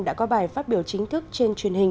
đã có bài phát biểu chính thức trên truyền hình